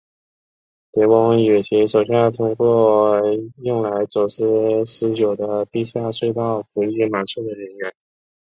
狄翁与其手下透过用来走私私酒的地下隧道伏击马索的人马。